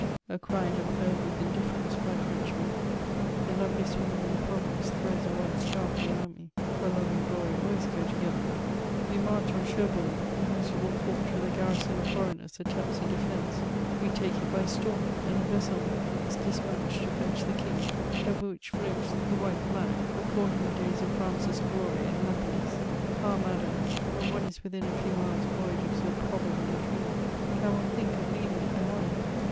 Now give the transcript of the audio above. a cry never heard with indifference by Frenchmen : the loveliest woman in the province throws a white scarf around me, for love and glory always go together ; we march on Cherbourg ; a miserable fort wiUi a garrison of foreigners, attempts a defence ; we take it by storm, and a vessel is despatched to fetch the King, over which floats the white flag, recaUing the days of France's glory and happinessi Ah ! madame, when one is within a few hours' voyage of so pro bable a dream, can one think of leaving it behind